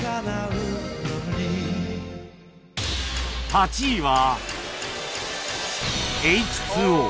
８位は